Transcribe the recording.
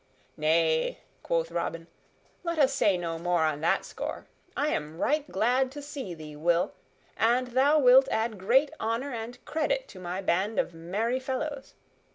"Nay," quoth Robin, "let us say no more on that score. I am right glad to see thee, Will, and thou wilt add great honor and credit to my band of merry fellows.